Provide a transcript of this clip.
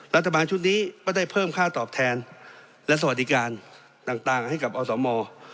รัฐบาลชุดนี้ก็ได้เพิ่มค่าตอบแทนและสวัสดิการต่างให้กับอสม